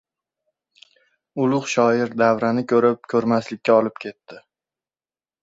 Ulug‘ shoir davrani ko‘rib, ko‘rmaslikka olib ketdi.